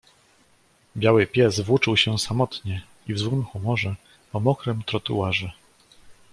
"Biały pies włóczył się samotnie i w złym humorze po mokrym trotuarze."